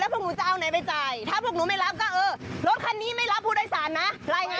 แล้วคุณตำรวจรับผิดชอบให้พวกนู้นไม่ได้ไปจ่ายที่ขนส่งอ่ะ